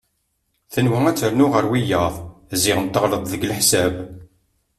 Tenwa ad ternu ɣer wiyaḍ ziɣen teɣleḍ deg leḥsab.